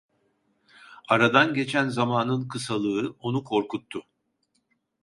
Aradan geçen zamanın kısalığı onu korkuttu.